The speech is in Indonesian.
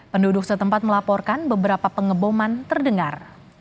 penduduk setempat melaporkan beberapa pengeboman terdengar